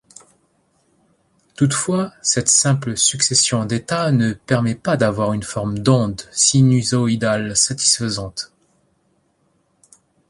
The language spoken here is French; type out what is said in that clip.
Toutefois, cette simple succession d'états ne permet pas d'avoir une forme d'onde sinusoïdale satisfaisante.